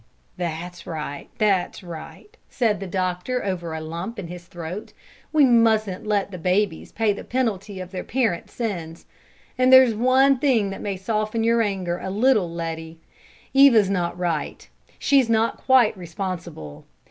"That's right, that's right," said the doctor over a lump in his throat. "We mustn't let the babies pay the penalty of their parents' sins; and there's one thing that may soften your anger a little, Letty: Eva's not right; she's not quite responsible.